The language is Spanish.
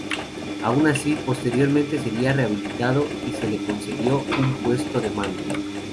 Aun así, posteriormente sería rehabilitado y se le concedió un puesto de mando.